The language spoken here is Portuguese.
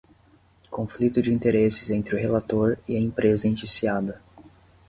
Conflito de interesses entre o relator e a empresa indiciada